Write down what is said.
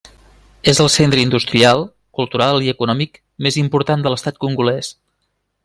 És el centre industrial, cultural i econòmic més important de l'estat congolès.